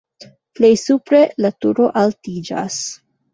Plej supre la turo altiĝas.